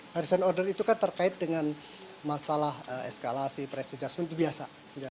harrisan order itu kan terkait dengan masalah eskalasi press adjustment itu biasa